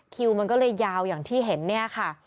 เยอะนะคะมันก็เลยยาวอย่างที่เห็นเนี่ยค่ะ